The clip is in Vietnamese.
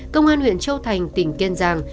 công an huyện châu thành tỉnh kiên giang